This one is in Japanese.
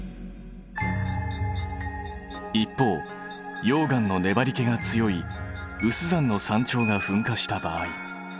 一方溶岩のねばりけが強い有珠山の山頂が噴火した場合。